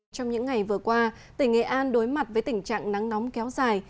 trong những ngày vừa qua tỉnh nghệ an đối mặt với tình trạng nắng nóng kéo dài